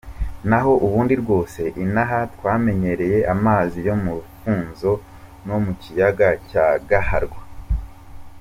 Naho ubundi rwose inaha twamenyereye amazi yo mu rufunzo no mu kiyaga cya Gaharwa.